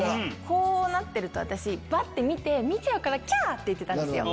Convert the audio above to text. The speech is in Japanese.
こうなってると私見ちゃうからキャ！って言ってたんですよ。